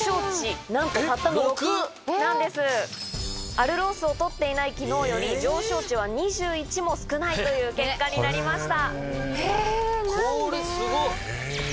アルロースを取っていない昨日より上昇値は２１も少ないという結果になりました。